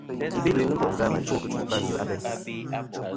I Belo i ghɨ ntè' zɨ a và chwo kitchu va zɨ a teyn.